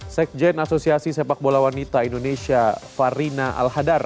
sekjen asosiasi sepak bola wanita indonesia farina alhadar